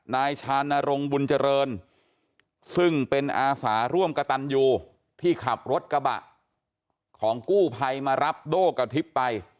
นายชานรงบุญเจริญซึ่งเป็นอาสาร่วมกระตันยูที่ขับรถกระบะของกู้ภัยมารับโด่กระทิบไป